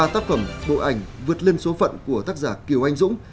tác phẩm của tác giả kiều anh dũng